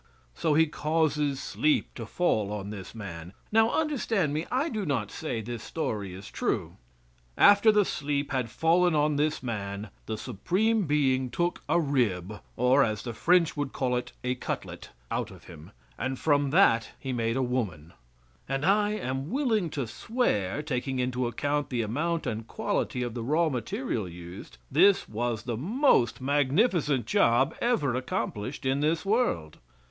So He causes sleep to fall on this man now understand me, I do not say this story is true. After the sleep had fallen on this man the Supreme Being took a rib, or, as the French would call it, a cutlet, out of him, and from that He made a woman; and I am willing to swear, taking into account the amount and quality of the raw material used, this was the most magnificent job ever accomplished in this world.